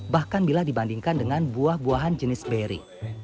bahkan bila dibandingkan dengan buah buahan jenis beri